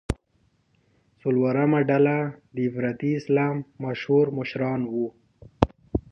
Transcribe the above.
څلورمه ډله د افراطي اسلام مشهور مشران وو.